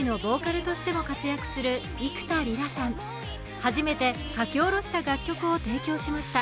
初めて書き下ろした楽曲を提供しました。